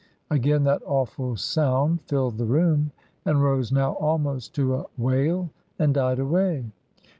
Again that awful sound filled the room, and rose now almost to a wail and died away.